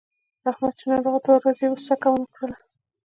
احمد چې ناروغ و دوه ورځې یې څکه ونه کړله.